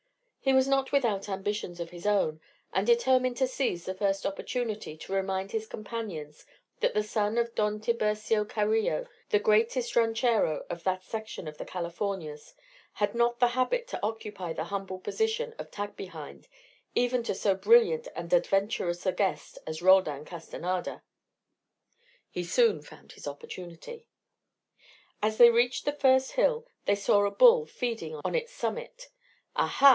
He was not without ambitions of his own, and determined to seize the first opportunity to remind his companions that the son of Don Tiburcio Carillo, the greatest ranchero of that section of the Californias, had not the habit to occupy the humble position of tag behind even to so brilliant and adventurous a guest as Roldan Castanada. He soon found his opportunity. As they reached the first hill they saw a bull feeding on its summit. "Aha!"